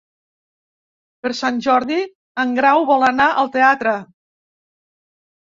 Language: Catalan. Per Sant Jordi en Grau vol anar al teatre.